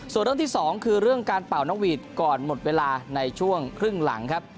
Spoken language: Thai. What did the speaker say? ส่วนเรื่องที่สองคือเรื่องการเป่านกหวีดก่อนหมดเวลาในช่วงครึ่งหลังครับ